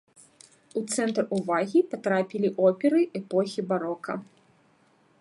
У цэнтр увагі патрапілі оперы эпохі барока.